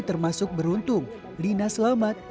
termasuk beruntung lina selamat